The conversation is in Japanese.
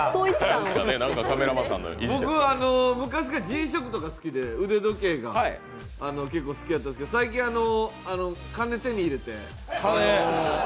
僕は昔からＧ−ＳＨＯＣＫとか好きで、腕時計が結構、好きやったんですけど最近、金を手に入れて。